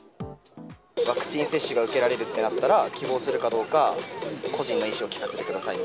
ワクチン接種が受けられるってなったら、希望するかどうか、個人の意思を聞かせてください。